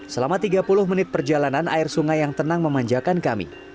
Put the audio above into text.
selama tiga puluh menit perjalanan air sungai yang tenang memanjakan kami